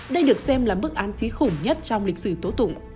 đây được xem là bức án phí khủng nhất trong lịch sử tố tụng